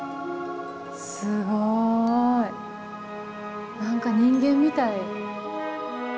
すごい。何か人間みたい。